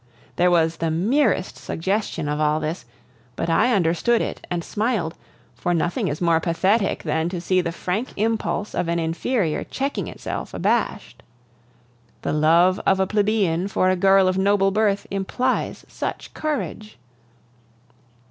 There was the merest suggestion of all this, but I understood it and smiled, for nothing is more pathetic than to see the frank impulse of an inferior checking itself abashed. The love of a plebeian for a girl of noble birth implies such courage!